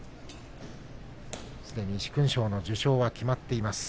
すでに殊勲賞の受賞は決まっています。